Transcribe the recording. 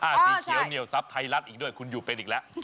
สีเขียวเหนียวทรัพย์ไทยรัฐอีกด้วยคุณอยู่เป็นอีกแล้ว